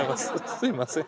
すみません。